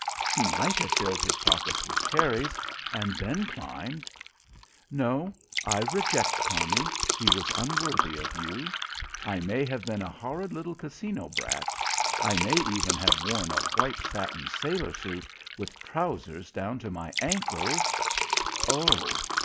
"He might have filled his pockets with cherries, and then climbed. No I reject Tommy, he was unworthy of you. I may have been a horrid little Casino brat, I may even have worn a white satin sailor suit with trousers down to my ankles " "Oh!"